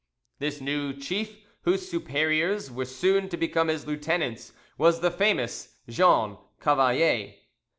This new chief, whose superiors were soon to become his lieutenants, was the famous Jean Cavalier.